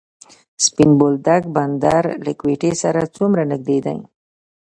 سپین بولدک بندر له کویټې سره څومره نږدې دی؟